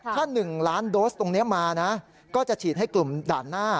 ถ้า๑ล้านโดสตรงนี้มานะก็จะฉีดให้กลุ่มด่านหน้า